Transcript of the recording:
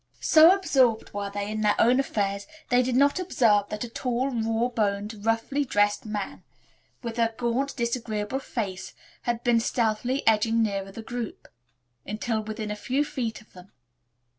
So absorbed were they in their own affairs they did not observe that a tall, raw boned, roughly dressed man, with a gaunt, disagreeable face had been stealthily edging nearer the group until within a few feet of them.